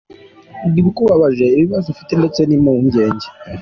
Vuga ibikubabaje, ibibazo ufite ndetse n’impungenge.